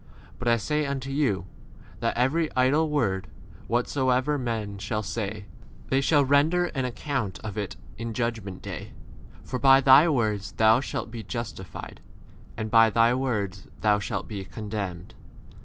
But I say unto you, that every idle word, whatsoever * men shall say, they shall render an account of it in judgment day : 3 ? for by thy words thou shalt be justified, and by thy words thou shalt be condemned.